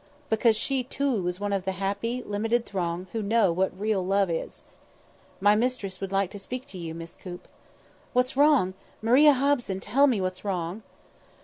Because she, too, was one of the happy, limited throng who know what real love is. "My mistress would like to speak to you, Miss Coop." "What's wrong? Maria Hobson, tell me what's wrong."